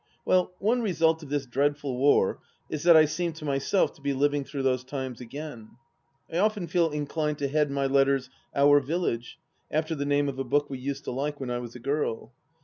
... Well, one result of this dreadful war is that I seem to myself to be living through those times again. I often feel incliaed to head my letters " Our Village," after the name of a book we used to like when I was a girl.